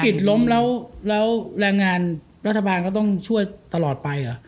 ถ้าธุรกิจล้มแล้วแรงงานรัฐบาลก็ต้องช่วยตลอดไป